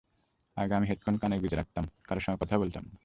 আগে আমি কানে হেডফোন গুঁজে রাখতাম, কারও সঙ্গে কথাও বলতাম না।